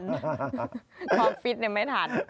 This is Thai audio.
ชอบฟิตไม่ทัน